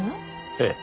ええ。